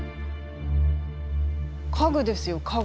家具ですよ家具。